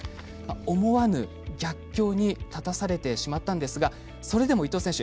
思わぬ逆境に立たされてしまったんですがそれでも伊藤選手